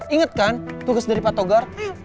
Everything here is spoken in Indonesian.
ingat kan tugas dari pak togar